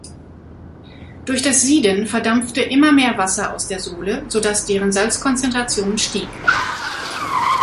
Durch das Sieden verdampfte immer mehr Wasser aus der Sole, sodass deren Salzkonzentration stieg.